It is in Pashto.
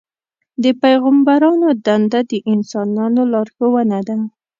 د پیغمبرانو دنده د انسانانو لارښوونه ده.